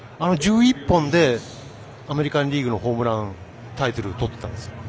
１１本で、アメリカリーグのホームランタイトルとったんですよ。